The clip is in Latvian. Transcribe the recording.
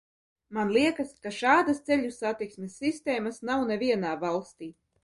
Man liekas, ka šādas ceļu satiksmes sistēmas nav nevienā valstī.